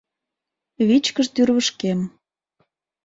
Вичкыж тӱрвышкем.